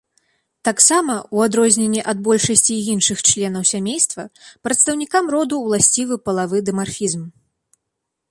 Таксама, у адрозненне ад большасці іншых членаў сямейства, прадстаўнікам роду ўласцівы палавы дымарфізм.